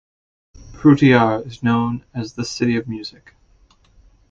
Frutillar is known as the "City of Music".